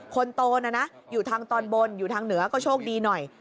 คนโตนะนะอยู่ทางตอนบนอยู่ทางเหนือก็โชคดีหน่อย